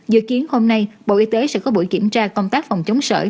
dự kiến hôm nay bộ y tế sẽ có buổi kiểm tra công tác phòng chống sở